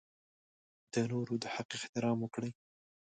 د نورو د حق احترام وکړئ.